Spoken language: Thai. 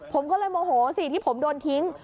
ผมก็เลยโมโหสิที่ผมโดนทิ้ง